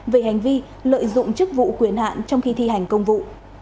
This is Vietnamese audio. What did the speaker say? về hành vi lợi dụng chức vụ quyền hạn trong khi thi hành công vụ